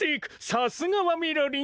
さすがはみろりん。